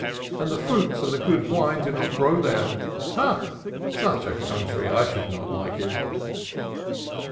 And the fruits and the good wine do not grow there ! Huy ! such a coun try! I should not like it."